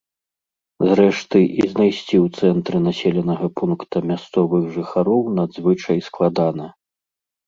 Зрэшты, і знайсці ў цэнтры населенага пункта мясцовых жыхароў надзвычай складана.